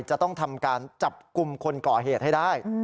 จะต้องทำการจับกลุ่มคนก่อเหตุให้ได้